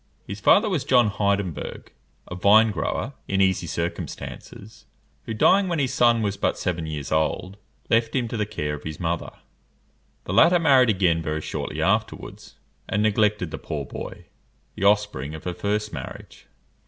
His father was John Heidenberg, a vine grower, in easy circumstances, who, dying when his son was but seven years old, left him to the care of his mother. The latter married again very shortly afterwards, and neglected the poor boy, the offspring of her first marriage.